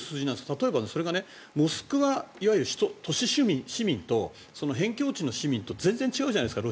例えば、それがモスクワいわゆる都市市民と辺境地の市民と全然違うじゃないですか。